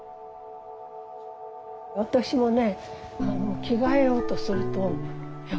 私もね